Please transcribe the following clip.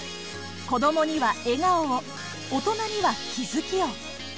子どもには笑顔を大人には気づきを。